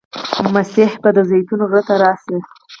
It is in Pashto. مسیح به د زیتون غره ته راشي.